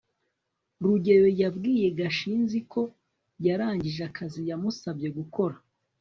rugeyo yabwiye gashinzi ko yarangije akazi yamusabye gukora